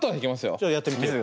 じゃあやってみて。